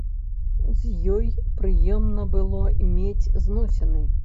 З ёй прыемна было мець зносіны.